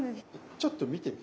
ちょっと見て。